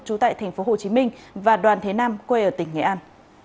trú tại tp hcm và đoàn thế nam quê ở tỉnh nghệ an